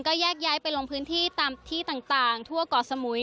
ก็แยกย้ายไปลงพื้นที่ตามที่ต่างทั่วก่อสมุย